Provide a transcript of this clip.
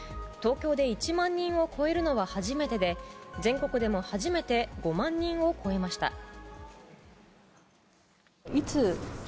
東京で１万人を超えるのは初めてで全国でも初めて５万人を超えました。